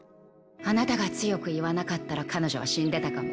あなたが強く言わなかったら彼女は死んでたかも。